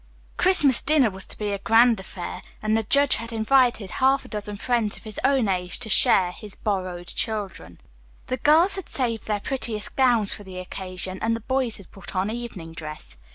Christmas dinner was to be a grand affair, and the judge had invited half a dozen friends of his own age to share "his borrowed children." The girls had saved their prettiest gowns for the occasion, and the boys had put on evening dress.